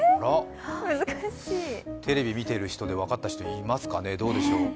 テレビ見ている人で分かった人いますかね、どうでしょう。